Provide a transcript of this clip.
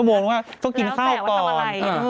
แล้วแสดงว่าทำอะไร